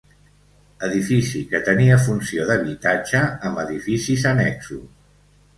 Edifici que tenia funció d'habitatge amb edificis annexos.